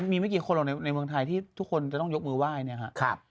มีไม่กี่คนเราในเมืองไทยที่ทุกคนจะต้องยกมือไหว้